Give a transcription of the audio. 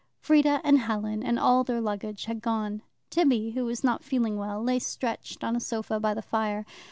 Frieda and Helen and all their luggage had gone. Tibby, who was not feeling well, lay stretched on a sofa by the fire.